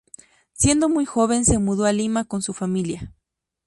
Siendo muy joven se mudó a Lima con su familia.